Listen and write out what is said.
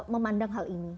memandang hal ini